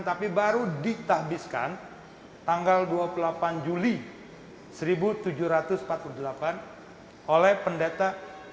tapi baru ditahbiskan tanggal dua puluh delapan juli seribu tujuh ratus empat puluh delapan oleh pendeta